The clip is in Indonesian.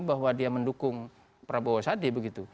bahwa dia mendukung prabowo sade begitu